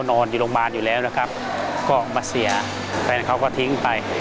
นอนอยู่โรงพยาบาลอยู่แล้วนะครับก็มาเสียแฟนเขาก็ทิ้งไป